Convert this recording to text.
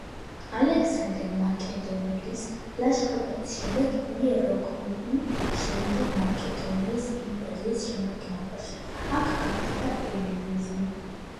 ალექსანდრე მაკედონელის ლაშქრობების შემდეგ, იერიქონი შევიდა მაკედონიის იმპერიის შემადგენლობაში, აქ გავრცელდა ელინიზმი.